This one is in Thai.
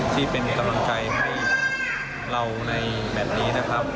ที่เป็นกำลังใจให้เราในแบบนี้นะครับ